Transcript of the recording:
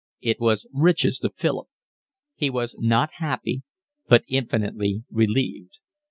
It was riches to Philip. He was not happy but infinitely relieved.